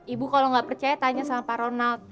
ibu kalau nggak percaya tanya sama pak ronald